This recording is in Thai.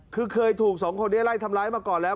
คือเคยถูกสองคนได้ไล่ทำร้ายมาก่อนแล้ว